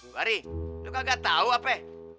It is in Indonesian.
bari lo kagak tau apa